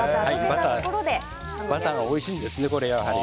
バターがおいしいんです。